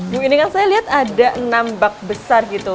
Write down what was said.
mungkin dengan saya lihat ada enam bak besar gitu